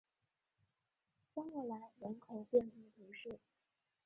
塞默莱人口变化图示